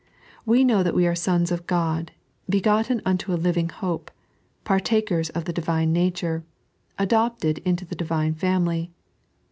We know that we are sons of God, begotten unto a living hope, partakers of the Divine nature, adopted into the Divine family.